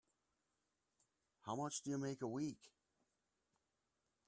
How much do you make a week?